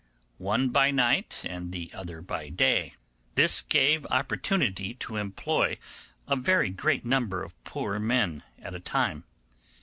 one by night and the other by day), this gave opportunity to employ a very great number of poor men at a time.